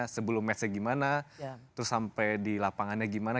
sebelum match nya gimana terus sampai di lapangannya gimana